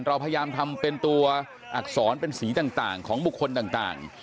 เราพยายามทำเป็นตัวอักษรเป็นสีต่างของบุคคลต่าง